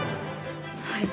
はい。